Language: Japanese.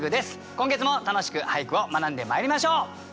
今月も楽しく俳句を学んでまいりましょう！